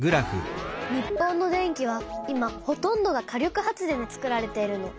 日本の電気は今ほとんどが火力発電でつくられているの。